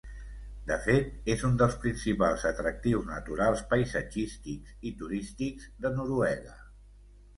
De fet, és un dels principals atractius naturals, paisatgístics i turístics de Noruega.